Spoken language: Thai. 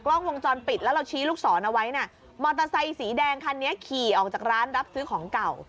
ออกจากร้านรับซื้อของเก่า